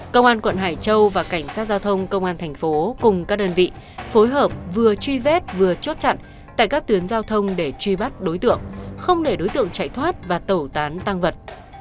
công an quận hải châu và cảnh sát giao thông công an thành phố cùng các đơn vị phối hợp vừa truy vết vừa chốt chặn tại các tuyến giao thông để truy bắt đối tượng không để đối tượng chạy thoát và tẩu tán tăng vật